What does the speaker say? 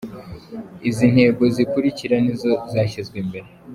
Izi ntego zikurikira nizo zashyizwe imbere :.